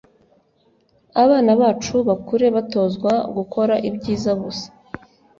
abana bacu bakure batozwa gukora ibyiza gusa